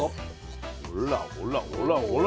ほらほらほらほら。